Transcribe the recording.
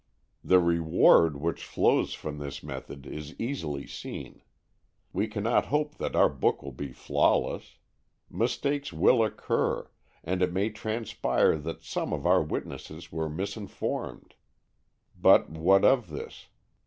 The reward which flows from this method is easily seen. We cannot hope that our book will be flawless. Mistakes will occur, and it may transpire that some of our witnesses were misinformed. But what of this?